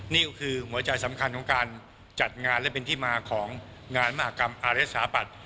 นี่ก็คือหัวใจสำคัญของการจัดงานและเป็นที่มาของงานมหากรรมอารสถาปัตย์